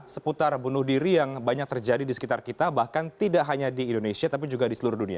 seputar bunuh diri yang banyak terjadi di sekitar kita bahkan tidak hanya di indonesia tapi juga di seluruh dunia